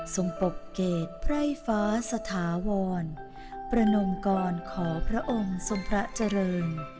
ปกเกตไพร่ฟ้าสถาวรประนมกรขอพระองค์ทรงพระเจริญ